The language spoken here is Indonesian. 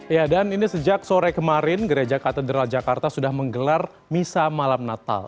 ya dan ini sejak sore kemarin gereja katedral jakarta sudah menggelar misa malam natal